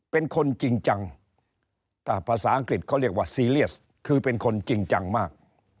เป็นคนจริงจังภาษาอังกฤษเขาเรียกว่าซีเรียสคือเป็นคนจริงจังมาก